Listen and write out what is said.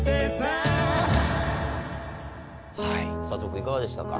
君いかがでしたか？